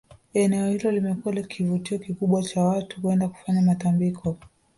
Eneo hilo limekuwa kivutio kikubwa cha watu kwenda kufanya matambiko